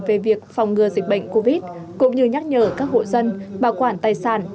về việc phòng ngừa dịch bệnh covid cũng như nhắc nhở các hộ dân bảo quản tài sản